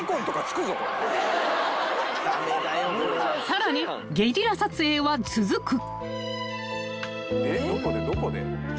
［さらにゲリラ撮影は続く］